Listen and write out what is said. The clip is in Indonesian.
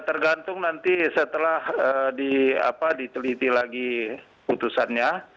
tergantung nanti setelah di apa diteliti lagi putusannya